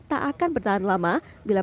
tak akan bertahan lama bila